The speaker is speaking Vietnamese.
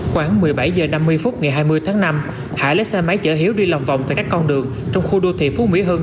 khoảng một mươi bảy h năm mươi phút ngày hai mươi tháng năm hải lấy xe máy chở hiếu đi lòng vòng tại các con đường trong khu đô thị phú mỹ hưng